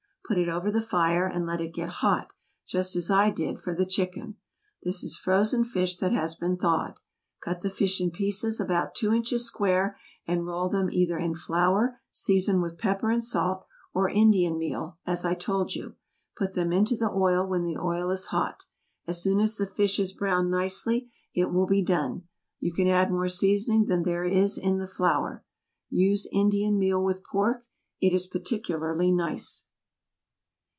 Put it over the fire and let it get hot, just as I did for the chicken. This is frozen fish that has been thawed. Cut the fish in pieces about two inches square and roll them either in flour seasoned with pepper and salt, or Indian meal, as I told you; put them into the oil when the oil is hot. As soon as the fish is browned nicely it will be done. You can add more seasoning than there is in the flour. Use Indian meal with pork; it is particularly nice.